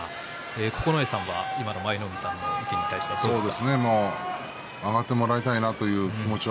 九重さんは今の舞の海さんの意見どうですか？